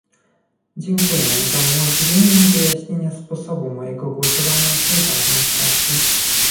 Dziękuję za umożliwienie mi wyjaśnienia sposobu mojego głosowania w tej ważnej kwestii